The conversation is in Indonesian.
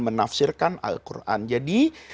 menafsirkan al quran jadi